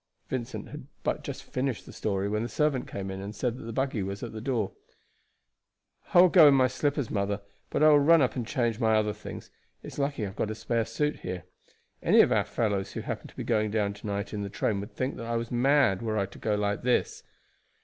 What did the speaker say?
Vincent had but just finished his story when the servant came in and said that the buggy was at the door. "I will go in my slippers, mother, but I will run up and change my other things. It's lucky I have got a spare suit here. Any of our fellows who happened to be going down to night in the train would think that I was mad were I to go like this."